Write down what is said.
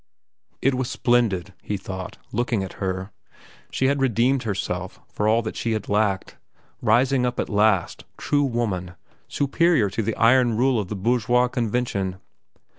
It was splendid, he thought, looking at her. She had redeemed herself for all that she had lacked, rising up at last, true woman, superior to the iron rule of bourgeois convention.